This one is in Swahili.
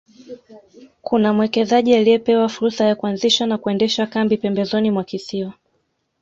Kuna mwekezaji alipewa fursa ya kuanzisha na kuendesha kambi pembezoni mwa kisiwa